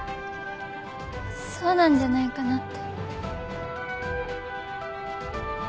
そうなんじゃないかなって。